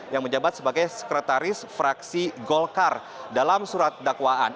yang menjabat sebagai sekretaris fraksi golkar dalam surat dakwaan